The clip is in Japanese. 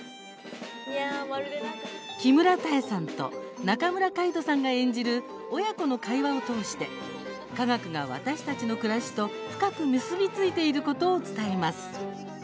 木村多江さんと中村嘉惟人さんが演じる親子の会話を通して科学が私たちの暮らしと深く結び付いていることを伝えます。